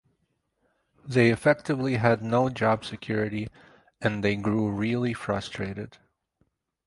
They effectively had no job security and they grew really frustrated.